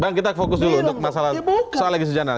bang kita fokus dulu untuk masalah legislatif